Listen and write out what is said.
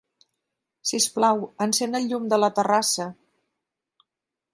Sisplau, encén el llum de la terrassa.